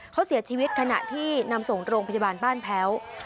เขาเสียชีวิตขณะที่นำส่งโรงพยาบาลบ้านแพ้ว